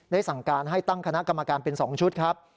สั่งการให้ตั้งคณะกรรมการเป็น๒ชุดครับ